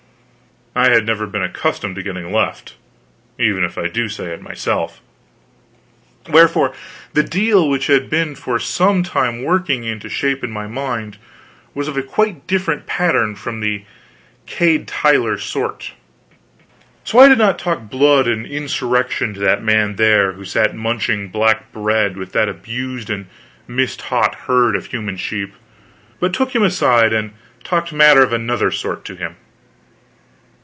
I had never been accustomed to getting left, even if I do say it myself. Wherefore, the "deal" which had been for some time working into shape in my mind was of a quite different pattern from the Cade Tyler sort. So I did not talk blood and insurrection to that man there who sat munching black bread with that abused and mistaught herd of human sheep, but took him aside and talked matter of another sort to him.